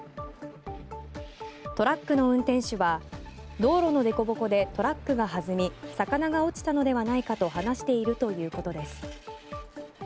トラックの運転手は道路のでこぼこでトラックがはずみ魚が落ちたのではないかと話しているということです。